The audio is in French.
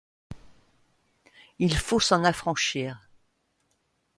Il faut s'en affranchir.